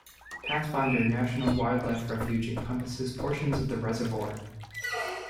Pathfinder National Wildlife Refuge encompasses portions of the reservoir.